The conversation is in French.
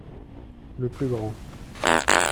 Le plus grand.